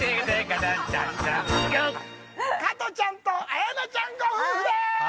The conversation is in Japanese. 加トちゃんと綾菜ちゃんご夫婦です。